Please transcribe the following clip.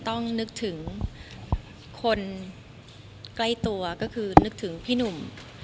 ต้องนึกถึงคนใกล้ตัวก็คือนึกถึงพี่หนุ่ม